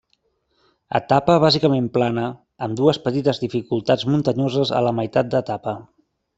Etapa bàsicament plana, amb dues petites dificultats muntanyoses a la meitat d'etapa.